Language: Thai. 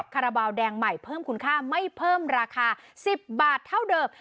คาราบาลแดงใหม่เพิ่มคุณค่าไม่เพิ่มราคา๑๐บาทเท่าเดิม